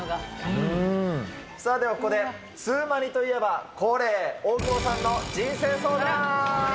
さあ、ではここでツウマニといえば恒例、大久保さんの人生相談。